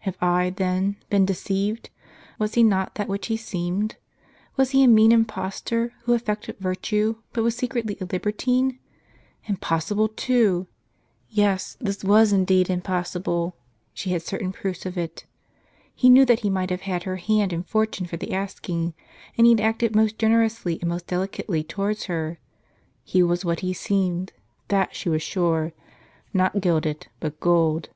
Have I, then, been deceived? Was he not that which he seemed ? Was he a mean impos tor, who affected virtue, but was secretly a liber tine? Impossible, too! Yes, this was indeed She had certain proofs of it. He knew that he might have had her hand and fortune for the asking, and he had acted most generously and most delicately towards her. He was what he seemed, that she was sure — not gilded, but gold.